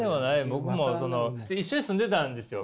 僕もその一緒に住んでたんですよ